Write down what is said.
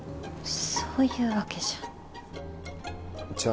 そういうわけじゃじゃあ